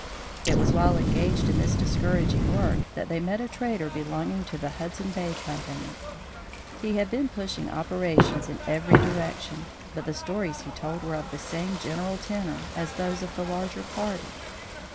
It was while engaged in this discouraging work that they met a trader belonging to the Hudson Bay Company. He had been pushing operations in every direction, but the stories he told were of the same general tenor as those of the larger party.